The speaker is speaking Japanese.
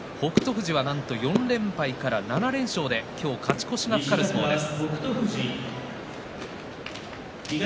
富士は４連敗から７連勝で今日勝ち越しが懸かります。